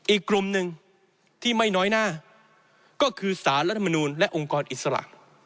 อีกกลุ่มหนึ่งที่ไม่น้อยหน้าก็คือสารรัฐมนูลและองค์กรอิสระ